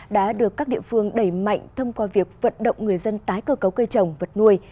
đã được các địa phương đẩy mạnh thông qua việc vận động người dân tái cơ cấu cây trồng vật nuôi